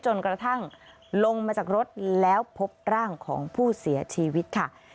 จนกระทั่งลงมาจากรถแล้วพบร่างของผู้เสียชีวิตค่ะ